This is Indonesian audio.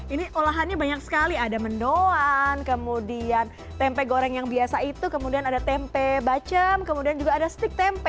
ini olahannya banyak sekali ada mendoan kemudian tempe goreng yang biasa itu kemudian ada tempe bacem kemudian juga ada stik tempe